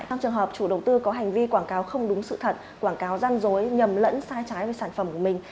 trong trường hợp chủ đầu tư có hành vi quảng cáo không đúng sự thật quảng cáo gian dối nhầm lẫn sai trái về sản phẩm của mình